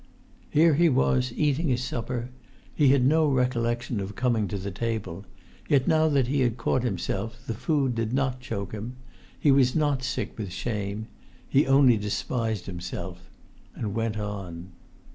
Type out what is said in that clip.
Here he was eating his supper; he had no recollection of coming to the table; yet, now that he had caught himself, the food did not choke him, he was not sick with shame; he only despised himself—and went on.